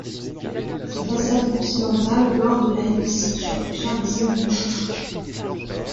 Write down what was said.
Sa façade occidentale borde la Lys sur plusieurs dizaines de mètres.